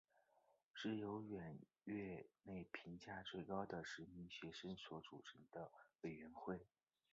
是由远月内评价最高的十名学生所组成的委员会。